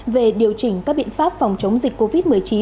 về điều chỉnh các biện pháp phòng chống dịch covid một mươi chín